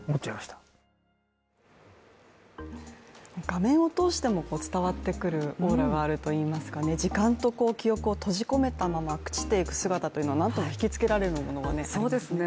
画面を通しても伝わってくるオーラがあるといいますか時間と記憶を閉じ込めたまま朽ちていく姿というのはなんとも引きつけられるものがありますね。